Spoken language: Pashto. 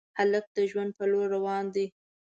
هلک د ژوند په لور روان دی.